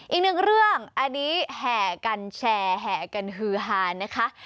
อีกหนึ่งเรื่องอันนี้แห่กันแชร์แห่กันฮือฮานนะคะ